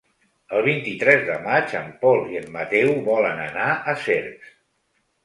El vint-i-tres de maig en Pol i en Mateu volen anar a Cercs.